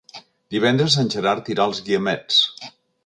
Divendres en Gerard irà als Guiamets.